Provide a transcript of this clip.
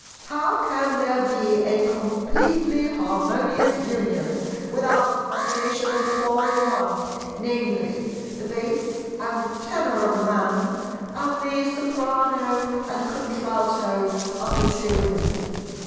"How can there be a completely harmonious union without the combination of the Four in One, viz. the Bass and Tenor of the Man and the Soprano and Contralto of the two Women?"